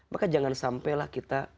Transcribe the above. maka jangan sampailah kita